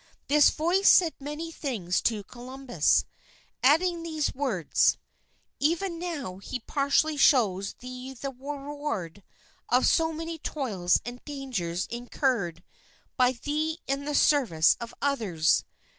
This Voice said many things to Columbus, adding these words, "Even now He partially shows thee the reward of so many toils and dangers incurred by thee in the service of others.